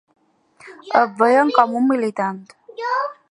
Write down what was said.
Et veien com un militant.